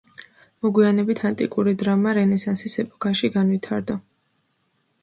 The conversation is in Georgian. მოგვიანებით ანტიკური დრამა რენესანსის ეპოქაში განვითარდა.